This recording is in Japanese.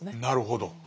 なるほど。